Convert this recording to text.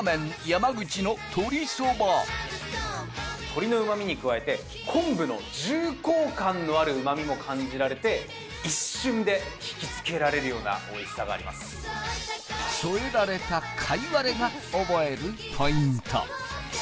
やまぐちの鶏そば鶏のうまみに加えて昆布の重厚感のあるうまみも感じられて一瞬で引きつけられるようなおいしさがあります添えられたカイワレが覚えるポイント